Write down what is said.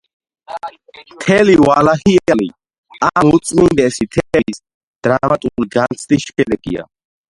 მთელი „დავითიანი“ ამ უწმინდესი თემის დრამატული განცდის შედეგია.